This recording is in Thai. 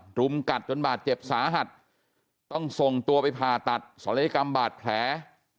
รุมกัดจนบาดเจ็บสาหัสต้องส่งตัวไปผ่าตัดศัลยกรรมบาดแผล